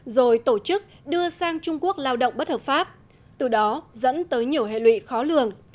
rồi tổ chức đưa sang trung quốc lao động bất hợp pháp từ đó dẫn tới nhiều hệ lụy khó lường